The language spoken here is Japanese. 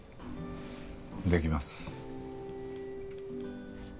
できます。